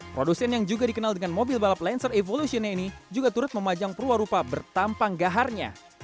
produsen yang juga dikenal dengan mobil balap landsor evolutionnya ini juga turut memajang perwarupa bertampang gaharnya